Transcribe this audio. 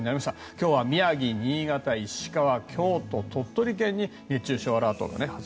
今日は宮城、新潟、石川、京都鳥取県に熱中症警戒アラートが。